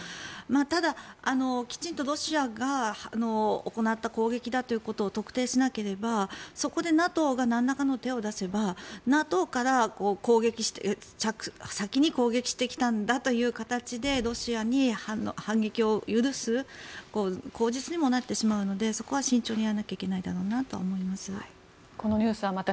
ただ、きちんとロシアが行った攻撃だということを特定しなければそこでＮＡＴＯがなんらかの手を出せばＮＡＴＯから先に攻撃してきたんだという形でロシアに反撃を許す口実にもなってしまうので続いてのニュースです。